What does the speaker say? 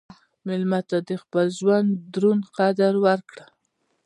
مېلمه ته د خپل ژوند دروند قدر ورکړه.